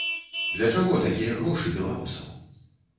Для чаго такія грошы беларусам?